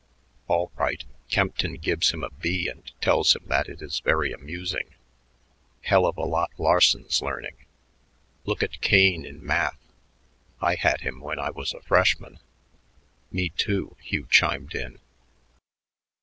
All right Kempton gives him a B and tells him that it is very amusing. Hell of a lot Larson's learning. Look at Kane in math. I had him when I was a freshman." "Me, too," Hugh chimed in.